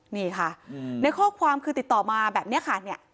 นี่ค่ะในข้อความคือติดต่อมาแบบนี้ค่ะเนี่ย